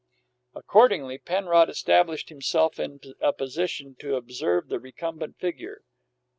Accordingly, Penrod established himself in a position to observe the recumbent figure.